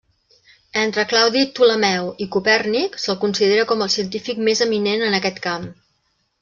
Entre Claudi Ptolemeu i Copèrnic, se'l considera com el científic més eminent en aquest camp.